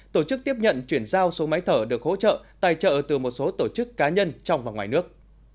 tổ chức tiếp nhận chuyển giao số máy thở được hỗ trợ tài trợ từ một số tổ chức cá nhân trong và ngoài nước